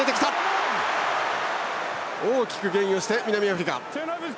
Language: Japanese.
大きくゲインをした南アフリカ。